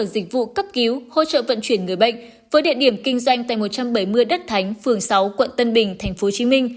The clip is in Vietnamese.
dịch vụ cấp cứu hỗ trợ vận chuyển người bệnh với địa điểm kinh doanh tại một trăm bảy mươi đất thánh phường sáu quận tân bình tp hcm